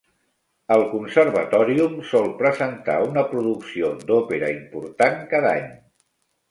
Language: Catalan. El Conservatorium sol presentar una producció d'òpera important cada any.